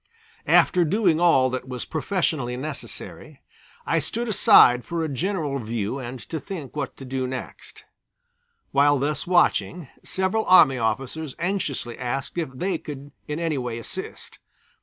After doing all that was professionally necessary, I stood aside for a general view and to think what to do next. While thus watching several army officers anxiously asked if they could in any way assist.